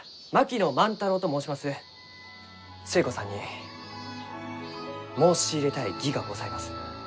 寿恵子さんに申し入れたい儀がございます。